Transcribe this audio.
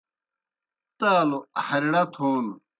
تالوْ ہریڑہ تھون